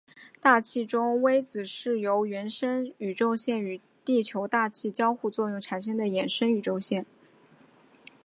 大气中微子是由原生宇宙线与地球大气交互作用产生的衍生宇宙线。